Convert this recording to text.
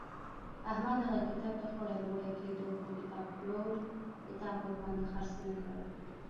احمد هغه کتاب ته خوړی بوړی کېدو خو کتابپلور کتاب ورباندې خرڅ نه کړ.